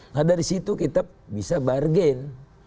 nah dari situ kita bisa bargain